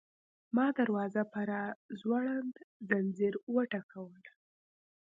ما دروازه په راځوړند ځنځیر وټکوله.